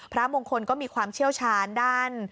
พระมงคลก็มีความเชี่ยวชาญด้าน